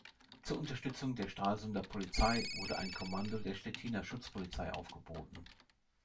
Zur Unterstützung der Stralsunder Polizei wurde ein Kommando der Stettiner Schutzpolizei aufgeboten.